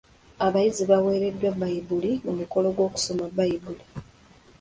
Abayizi baaweereddwa Bbayibuli mu mukolo gw'okusoma Bbayibuli.